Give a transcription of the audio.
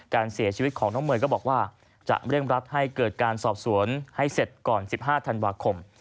การเสียชีวิตของน้องเมย์ก็บอกว่าจะเร่งรัดให้เกิดการสอบสวนให้เสร็จก่อน๑๕ธันวาคม